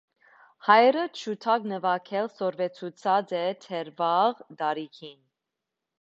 Հայրը ջութակ նուագել սորվեցուցած է դեռ վաղ տարիքին։